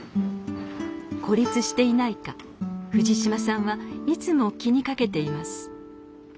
孤立していないか藤島さんはいつも気にかけています。